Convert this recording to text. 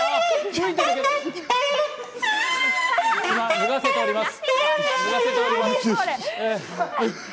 脱がせております。